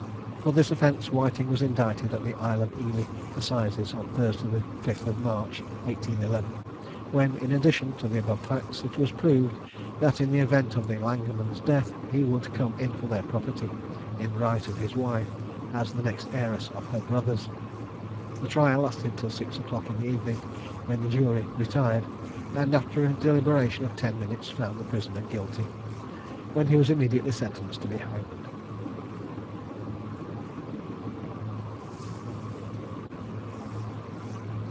For this offence Whiting was indicted at the Isle of Ely Assizes, on Thursday the 5th of March, 1811; when, in addition to the above facts, it was proved that, in the event of the Langmans' death, he would come in for their property, in right of his wife, as the next heiress of her brothers. The trial lasted till six o'clock in the evening, when the jury retired, and, after a deliberation of ten minutes, found the prisoner Guilty, when he was immediately sentenced to be hanged.